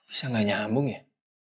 bisa gak nyambung ya